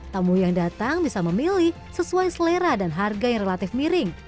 tamu yang datang bisa memilih sesuai selera dan harga yang relatif miring